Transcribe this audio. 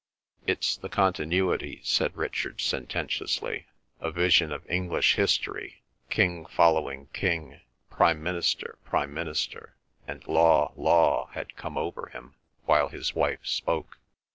"It's the continuity," said Richard sententiously. A vision of English history, King following King, Prime Minister Prime Minister, and Law Law had come over him while his wife spoke.